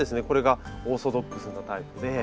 これがオーソドックスなタイプで。